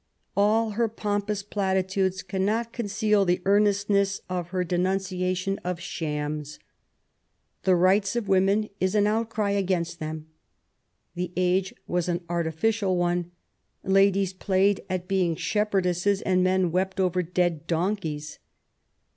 All her pompous platitudes cannot conceal the earnestness of her denun ciation of shams. The Rights of Women is an outcry against them. The age was an artificial one : ladies played at being shepherdesses^ and men wept over dead donkeys.